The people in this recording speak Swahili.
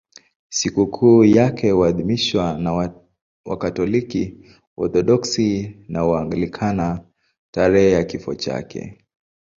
Sikukuu yake huadhimishwa na Wakatoliki, Waorthodoksi na Waanglikana tarehe ya kifo chake.